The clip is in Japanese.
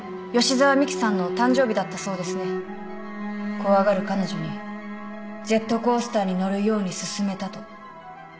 怖がる彼女にジェットコースターに乗るように勧めたと。